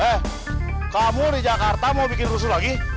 eh kamu di jakarta mau bikin rusuh lagi